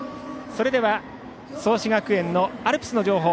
それでは創志学園のアルプスの情報